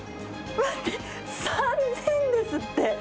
待って、３０００ですって。